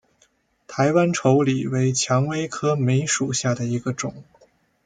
台湾稠李为蔷薇科梅属下的一个种。